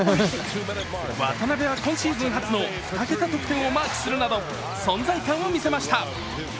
渡邊は今シーズン初の２桁得点をマークするなど存在感を見せました。